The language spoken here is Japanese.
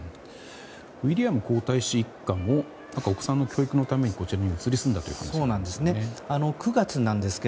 ウィリアム皇太子一家もお子さんの教育のためにこちらに移り住んだということなんですね。